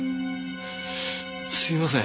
すいません